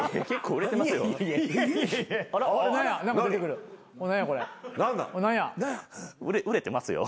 売れ売れてますよ。